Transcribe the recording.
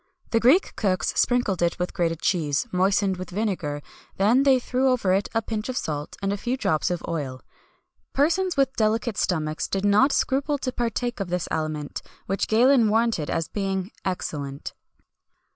The Greek cooks sprinkled it with grated cheese, moistened with vinegar; then they threw over it a pinch of salt and a few drops of oil.[XXI 156] Persons with delicate stomachs did not scruple to partake of this aliment, which Galen warranted as being excellent.